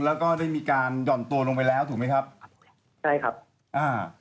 แล้วก็ได้มีการหย่อนตัวลงไปแล้วถูกไหมครับใช่ครับอ่า